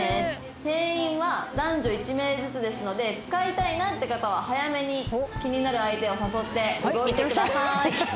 定員は男女１名ずつですので使いたいなって方は早めに気になる相手を誘って動いてください」